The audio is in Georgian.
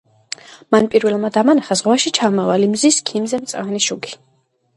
მან პირველმა დამანახა ზღვაში ჩამავალი მზის ქიმზე მწვანე შუქი.